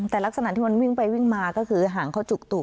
แต่ลักษณะที่มันวิ่งไปวิ่งมาก็คือหางเขาจุกตัว